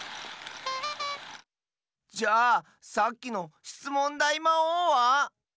じゃさっきのしつもんだいまおうは？